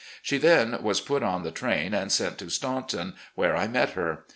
She then was put on the train and sent to Stavmton, where I met her.